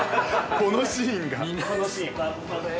このシーンが。